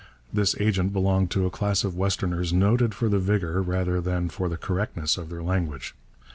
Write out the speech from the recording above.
This agent belonged to a class of westerners noted for the vigour rather than for the correctness of their language.